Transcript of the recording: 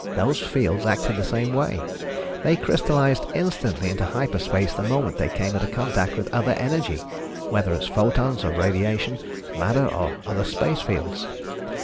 Those fields acted the same way. They crystalized instantly into hyper space the moment they came into contact with other energy, whether as photons of radiation, matter or other space fields.